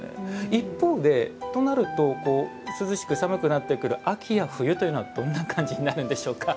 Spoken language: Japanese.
一方でとなると涼しく、寒くなってくる秋や冬というのはどんな感じになるんでしょうか。